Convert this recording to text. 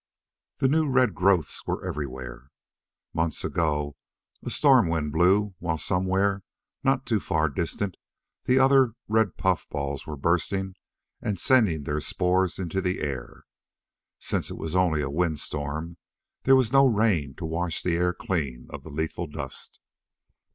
The new red growths were everywhere. Months ago a storm wind blew while somewhere, not too far distant, other red puffballs were bursting and sending their spores into the air. Since it was only a windstorm, there was no rain to wash the air clean of the lethal dust.